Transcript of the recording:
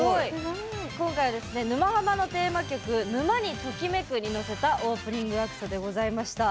今回は「沼ハマ」のテーマ曲「沼にときめく！」にのせたオープニングアクトでございました。